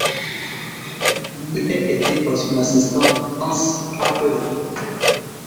Il est aidé par son assistant Anse Harper.